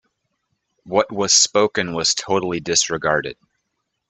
What was spoken was totally disregarded.